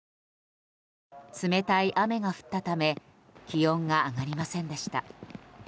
冷たい雨が降ったため気温が上がりませんでした。